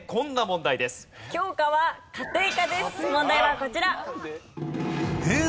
問題はこちら。